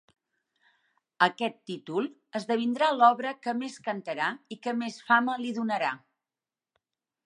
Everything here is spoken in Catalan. Aquest títol esdevindrà l'obra que més cantarà i que més fama li donarà.